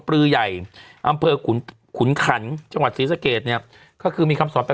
ปลือใหญ่อำเภอขุนขุนขันจังหวัดศรีสะเกดเนี่ยก็คือมีคำสอนไป